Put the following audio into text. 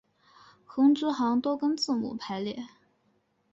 横直行都跟字母排列。